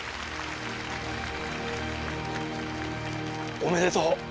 おめでとう！